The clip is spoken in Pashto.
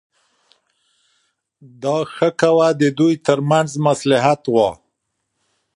دا ښه کوه د دوی ترمنځ مصلحت و.